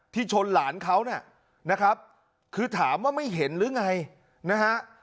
ชนหลานเขานะครับคือถามว่าไม่เห็นหรือไงนะฮะ